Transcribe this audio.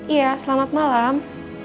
iya selamat malam